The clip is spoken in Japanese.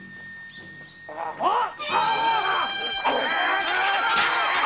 あっ‼